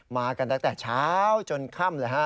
มากันตั้งแต่เช้าจนค่ำเลยฮะ